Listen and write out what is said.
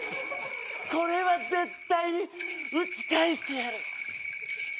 これは絶対に打ち返してやる！